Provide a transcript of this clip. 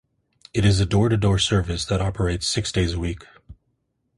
It is a door to door service that operates six days a week.